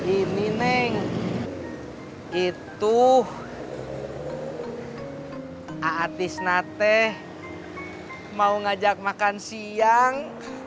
ini neng itu aatis nate mau ngajak makan siang